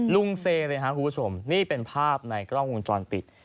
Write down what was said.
ลุงเซเลยครับคุณผู้ชมนี่เป็นภาพในกล้องวงจรปิด